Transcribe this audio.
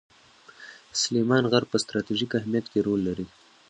سلیمان غر په ستراتیژیک اهمیت کې رول لري.